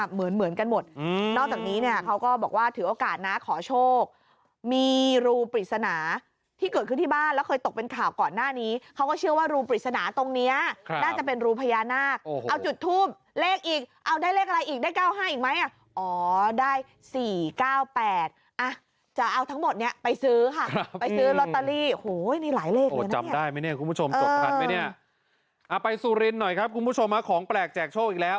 เหมือนเหมือนกันหมดนอกจากนี้เนี่ยเขาก็บอกว่าถือโอกาสนะขอโชคมีรูปริศนาที่เกิดขึ้นที่บ้านแล้วเคยตกเป็นข่าวก่อนหน้านี้เขาก็เชื่อว่ารูปริศนาตรงเนี้ยน่าจะเป็นรูพญานาคเอาจุดทุบเลขอีกเอาได้เลขอะไรอีกได้เก้าห้าอีกไหมอ่ะอ๋อได้สี่เก้าแปดอ่ะจะเอาทั้งหมดเนี้ยไปซื้อค่ะไปซื้อลอตตาลีโห้